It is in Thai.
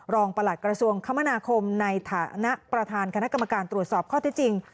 ประหลัดกระทรวงคมนาคมในฐานะประธานคณะกรรมการตรวจสอบข้อที่จริง